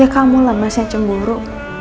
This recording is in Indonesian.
ya kamu lah mas yang cemburu